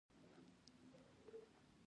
زه له نورو خلکو سره په ګروپ کې یم.